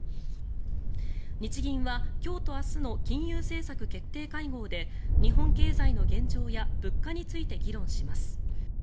日銀は今日と明日の金融政策決定会合で日本経済の現状や物価について議論します。